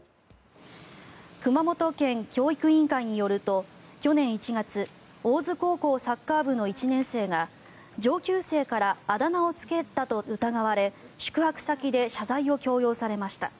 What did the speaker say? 熊本県教育委員会によると去年１月大津高校サッカー部の１年生が上級生からあだ名をつけたと疑われ宿泊先で謝罪を強要されました。